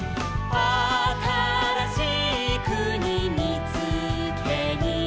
「あたらしいくにみつけに」